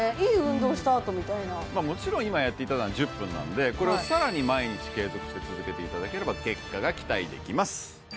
いい運動したあとみたいなもちろん今やっていたのは１０分なんでこれを更に毎日継続して続けていただければ結果が期待できます